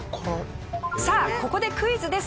さあここでクイズです。